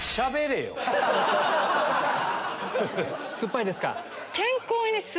酸っぱいですか？